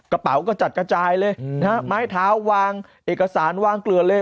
กระเป๋าก็จัดกระจายเลยนะฮะไม้เท้าวางเอกสารวางเกลือเลย